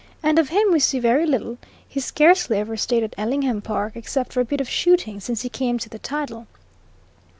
And of him we see very little; he scarcely ever stayed at Ellingham Park, except for a bit of shooting, since he came to the title.